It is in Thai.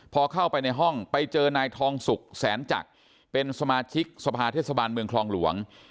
พอเข้าไปในห้องไปเจอนายทองสุกแสนจักรเป็นสมาชิกสภาเทศบาลเมืองคลองหลวง